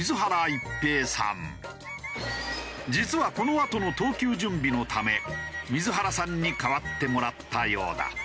実はこのあとの投球準備のため水原さんに代わってもらったようだ。